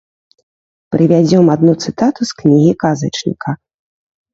Прывядзём адну цытату з кнігі казачніка.